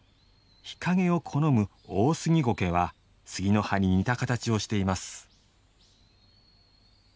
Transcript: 日陰を好むオオスギゴケは杉の葉に似た形をしています。